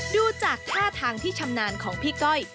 ดูจากท่าทางที่ชำนาญของพี่ก้อย